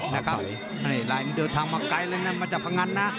เลยลายมันเดินทางมาไกลเลยมาจากพะงันนะ